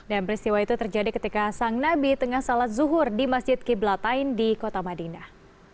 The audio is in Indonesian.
dan peristiwa itu terjadi ketika sang nabi tengah sholat zuhur di masjid qiblatain di kota madinah